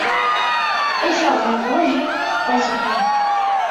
Êşa her rojê, besî xwe ye.